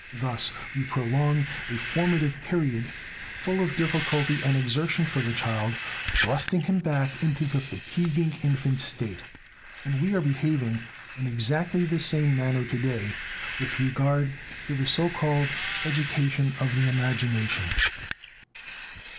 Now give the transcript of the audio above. Thus we prolong a formative period full of difficulty and exertion for the child, thrusting him back into the fatiguing infant state. And we are behaving in exactly the same manner to day with regard to the so called education of the imagination.